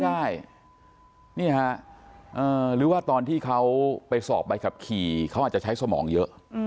ได้นี่ฮะหรือว่าตอนที่เขาไปสอบใบขับขี่เขาอาจจะใช้สมองเยอะ